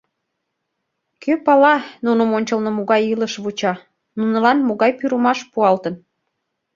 Кӧ пала, нуным ончылно могай илыш вуча, нунылан могай пӱрымаш пуалтын.